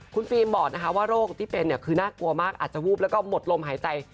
คุณฟิล์มบอกนะคะว่าโรคที่เป็นคือน่ากลัวมากอาจจะวูบแล้วก็หมดลมหายใจ